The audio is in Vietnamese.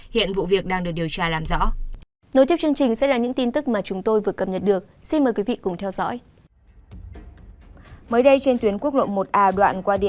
hiện vụ việc đang được điều tra làm rõ